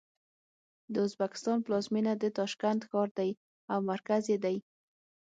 د ازبکستان پلازمېنه د تاشکند ښار دی او مرکز یې دی.